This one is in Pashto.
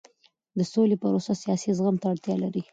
د سولې پروسه سیاسي زغم ته اړتیا لري